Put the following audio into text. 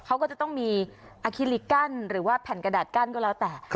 เขาก็จะต้องมีอาคิลิกั้นหรือว่าแผ่นกระดาษกั้นก็แล้วแต่